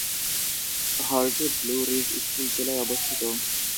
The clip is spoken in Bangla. হলটি ব্লু রিজ স্কুল জেলায় অবস্থিত।